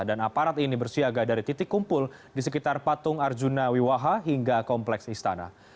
dan aparat ini bersiaga dari titik kumpul di sekitar patung arjuna wiwaha hingga kompleks istana